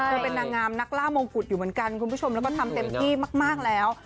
เป็นนางงามนักล่ามงกุฎอยู่เหมือนกันคุณผู้ชมแล้วก็ทำเต็มที่มากแล้ว